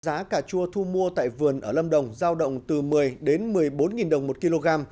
giá cà chua thu mua tại vườn ở lâm đồng giao động từ một mươi đến một mươi bốn đồng một kg